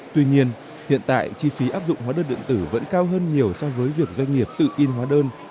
tuy nhiên hiện tại chi phí áp dụng hóa đơn điện tử vẫn cao hơn nhiều so với việc doanh nghiệp tự in hóa đơn